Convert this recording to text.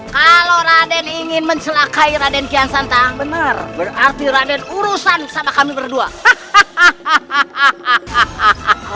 k volden ingin mencelakai raden kihan santan benar akhir adek urusan sama kami berdua hahaha